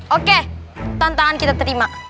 oke tantangan kita terima